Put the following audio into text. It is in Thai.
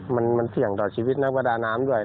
มันเสี่ยงต่อชีวิตนักประดาน้ำด้วย